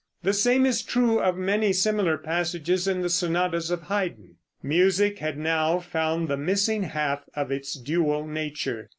The same is true of many similar passages in the sonatas of Haydn. Music had now found the missing half of its dual nature.